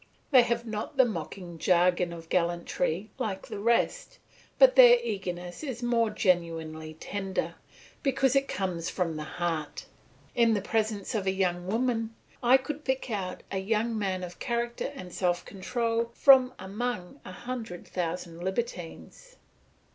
They have not the mocking jargon of gallantry like the rest, but their eagerness is more genuinely tender, because it comes from the heart. In the presence of a young woman, I could pick out a young man of character and self control from among a hundred thousand libertines.